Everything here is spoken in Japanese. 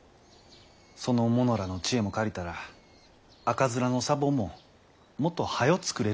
その者らの知恵も借りたら赤面のサボンももっとはよ作れるんやないやろか。